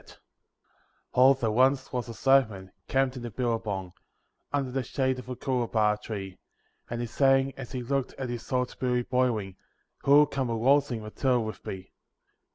there once was a swagman camped in a Billabong, Under the shade of a Coolabah tree; And he sang as he looked at his old billy boiling, 'Who'll come a waltzing Matilda with me?'